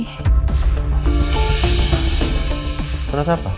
surat dari pengadilan agama lagi